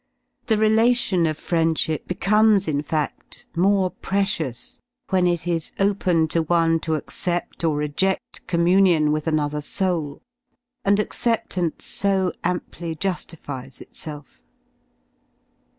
The relation of friendship becomes, in fa6l, more precious when it is open to one to accept or reje6l communion with another soul and acceptance so amply j unifies itself.